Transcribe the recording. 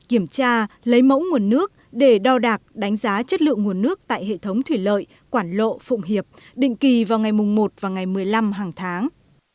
kiểm tra lấy mẫu nguồn nước để đo đạc đánh giá chất lượng nguồn nước tại hệ thống thủy lợi quảng lộ phụng hiệp định kỳ vào ngày một và ngày một mươi năm hàng tháng